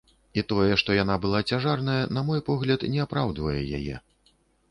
І тое, што яна была цяжарная, на мой погляд, не апраўдвае яе.